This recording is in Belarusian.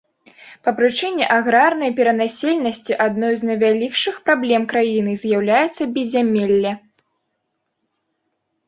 Па прычыне аграрнай перанаселенасці адною з найвялікшых праблем краіны з'яўляецца беззямелле.